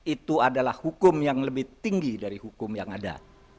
itu adalah hukum yang lebih tinggi dari hukum yang ada